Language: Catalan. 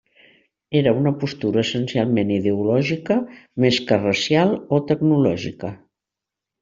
Era una postura essencialment ideològica, més que racial o teològica.